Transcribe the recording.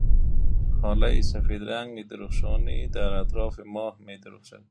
هاله سفید رنگ درخشانی در اطراف ماه می درخشد.